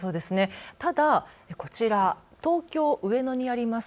ただこちら東京上野にあります